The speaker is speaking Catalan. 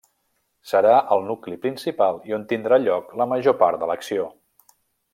Serà el nucli principal i on tindrà lloc la major part de l'acció.